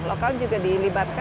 lokalnya juga dilibatkan